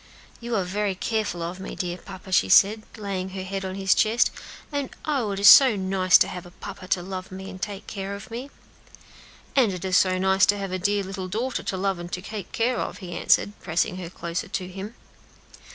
"You are very careful of me, dear papa," she said, laying her head on his breast, "and oh! it is so nice to have a papa to love me and take care of me." "And it is so nice to have a dear little daughter to love and to take care of," he answered, pressing her closer to him.